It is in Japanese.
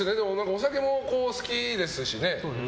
お酒も好きですしね